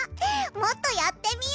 もっとやってみよ！